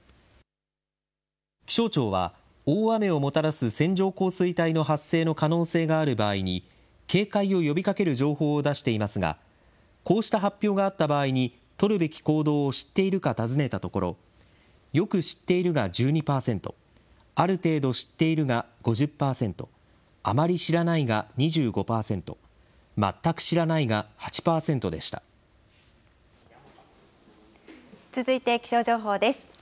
気象庁は、大雨をもたらす線状降水帯の発生の可能性がある場合に、警戒を呼びかける情報を出していますが、こうした発表があった場合に、取るべき行動を知っているか尋ねたところ、よく知っているが１２％、ある程度知っているが５０％、あまり知らないが２５％、続いて気象情報です。